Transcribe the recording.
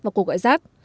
và cô gọi rác